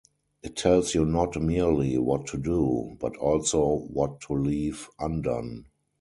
It tells you not merely what to do, but also what to leave undone.